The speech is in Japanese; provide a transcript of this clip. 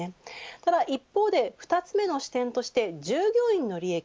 ただ一方で、２つ目の視点として従業員の利益